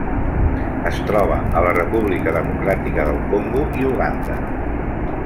Es troba a la República Democràtica del Congo i Uganda.